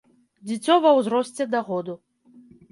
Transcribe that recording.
Дзіцё ва ўзросце да году.